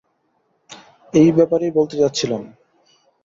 এই ব্যাপারেই বলতে যাচ্ছিলাম।